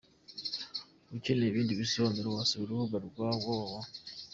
Ukeneye ibindi bisobanuro wasura urubuga www.